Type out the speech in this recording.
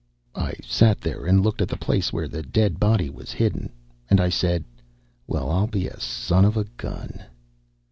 I sat there and looked at the place where the dead body was hidden, and I said, "Well, I'll be a son of a gun!"